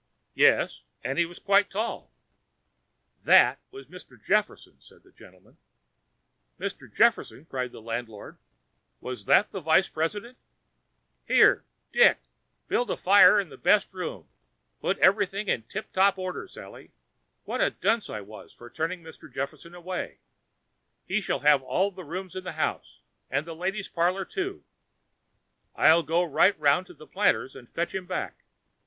"Yes, and he was quite tall." "That was Mr. Jefferson," said the gentleman. "Mr. Jefferson!" cried the landlord. "Was that the vice president? Here, Dick! build a fire in the best room. Put everything in tiptop order, Sally. What a dunce I was to turn Mr. Jefferson away! He shall have all the rooms in the house, and the ladies' parlor, too, I'll go right round to the Planters' and fetch him back."